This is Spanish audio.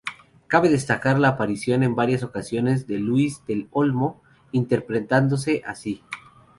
Cabe destacar la aparición en varias ocasiones de Luis del Olmo, interpretándose a sí.